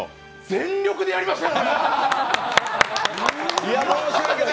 全力でやりましたよ！